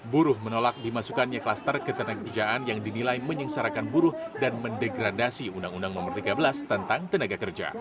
buruh menolak dimasukkannya klaster ketenaga kerjaan yang dinilai menyengsarakan buruh dan mendegradasi undang undang nomor tiga belas tentang tenaga kerja